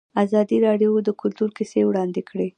ازادي راډیو د کلتور کیسې وړاندې کړي.